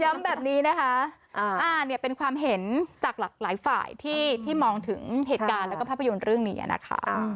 แบบนี้นะคะเป็นความเห็นจากหลากหลายฝ่ายที่มองถึงเหตุการณ์แล้วก็ภาพยนตร์เรื่องนี้นะคะ